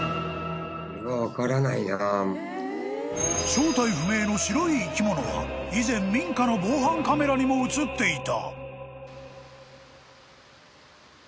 ［正体不明の白い生き物は以前民家の防犯カメラにも写っていた］